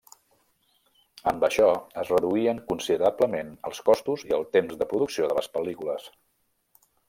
Amb això es reduïen considerablement els costos i el temps de producció de les pel·lícules.